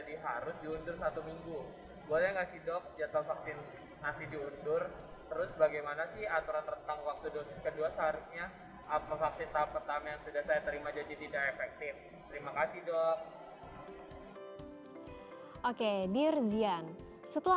dosis kedua seharusnya